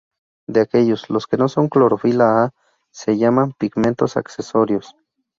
De aquellos, los que no son clorofila "a" se llaman pigmentos accesorios.